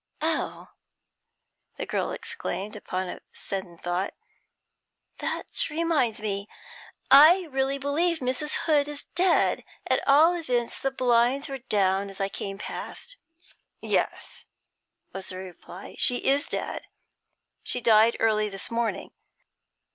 'Oh!' the girl exclaimed, upon a sudden thought. 'That reminds me. I really believe Mrs. Hood is dead; at all events all the blinds were down as I came past.' 'Yes,' was the reply, 'she is dead. She died early this morning.'